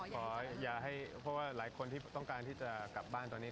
ขอให้เพราะว่าหลายคนที่ต้องการที่จะกลับบ้านตอนนี้